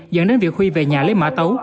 dẫn đến việc huy về nhà lấy mã tấu